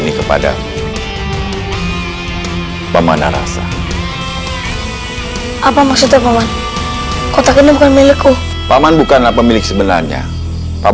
bieltons wine yang tersilap